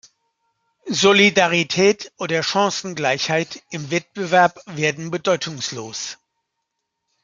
Solidarität oder Chancengleichheit im Wettbewerb werden bedeutungslos.